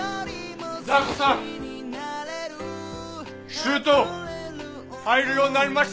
シュート入るようになりました。